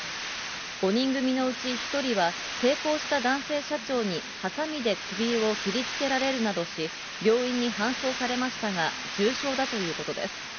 ５人組のうち１人は、抵抗した男性社長にはさみで首を切りつけられるなどし、病院に搬送されましたが、重傷だということです。